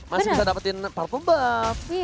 masih bisa dapetin partumbuff